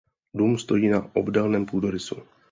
Dům stojí na obdélném půdorysu.